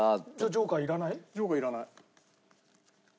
ジョーカーいらない。